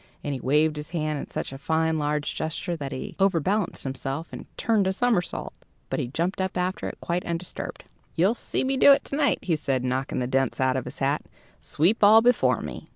And he waved his hand in such a fine large gesture that he overbalanced himself, and turned a somersault. But he jumped up after it quite undisturbed. "You'll see me do it to night," he said, knocking the dents out of his hat "sweep all before me."